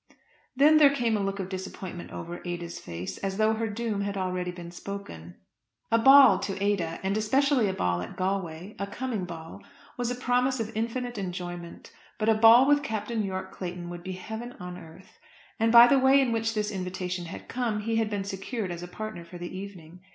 Then there came a look of disappointment over Ada's face, as though her doom had already been spoken. A ball to Ada, and especially a ball at Galway, a coming ball, was a promise of infinite enjoyment; but a ball with Captain Yorke Clayton would be heaven on earth. And by the way in which this invitation had come he had been secured as a partner for the evening.